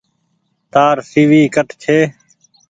تآر سي وي ڪٺ ڇي۔